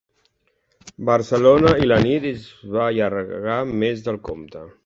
Barcelona i la nit es va allargar més del compte.